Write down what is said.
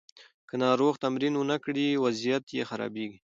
که ناروغ تمرین ونه کړي، وضعیت یې خرابیږي.